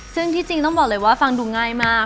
ซึ่งที่จริงต้องบอกเลยว่าฟังดูง่ายมาก